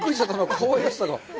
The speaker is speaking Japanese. かわいらしさが。